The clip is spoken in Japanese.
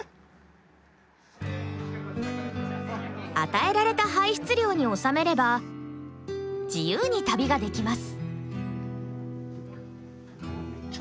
与えられた排出量に収めれば自由に旅ができます。